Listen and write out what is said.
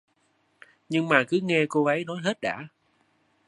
Nhưng mà cứ nghe cô ấy nói hết đã